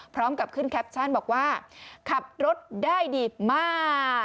พร้อมกับขึ้นแคปชั่นบอกว่าขับรถได้ดีมาก